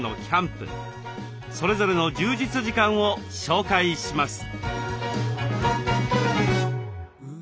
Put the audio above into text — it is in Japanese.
それぞれの充実時間を紹介します。